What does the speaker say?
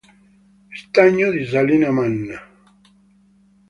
Stagno di Salina Manna